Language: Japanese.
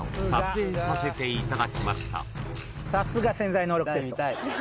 さすが『潜在能力テスト』